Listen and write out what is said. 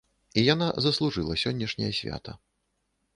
І яна заслужыла сённяшняе свята.